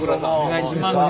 お願いします。